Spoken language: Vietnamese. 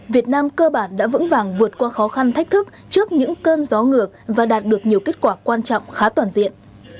việt nam cơ bản đã vững vàng vượt qua khó khăn thách thức trước những cơn gió ngược và đạt được nhiều kết quả quan trọng khá toàn diện